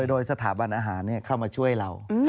โดยสถาบันอาหารเข้ามาช่วยเรา